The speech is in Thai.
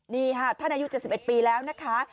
นี่ค่ะท่านอายุ๗๑ปีแล้วนะคะ